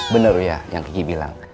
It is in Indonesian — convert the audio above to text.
bener uya yang kiki bilang